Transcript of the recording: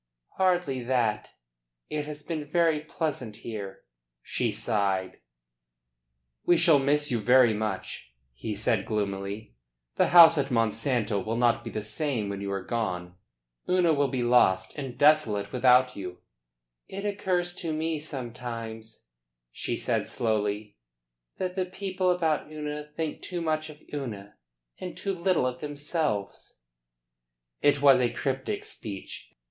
"Hardly that. It has been very pleasant here." She sighed. "We shall miss you very much," he said gloomily. "The house at Monsanto will not be the same when you are gone. Una will be lost and desolate without you." "It occurs to me sometimes," she said slowly, "that the people about Una think too much of Una and too little of themselves." It was a cryptic speech.